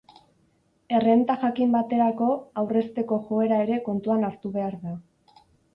Errenta jakin baterako, aurrezteko joera ere kontuan hartu behar da.